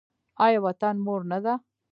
آیا وطن مور نه ده؟